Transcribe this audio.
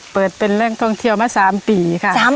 เปิดเป็นแหล่งท่องเที่ยวมา๓ปีค่ะ